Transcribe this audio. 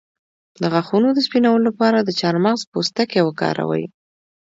د غاښونو د سپینولو لپاره د چارمغز پوستکی وکاروئ